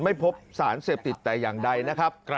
ไม่พบสารเสพติดแต่อย่างใดนะครับ